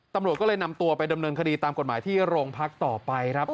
ตำรวจก็เลยนำตัวไปดำเนินคดีตามกฎหมายที่โรงพักต่อไปครับ